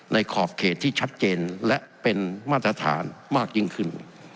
ขอบเขตที่ชัดเจนและเป็นมาตรฐานมากยิ่งขึ้น